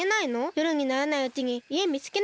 よるにならないうちにいえみつけないと。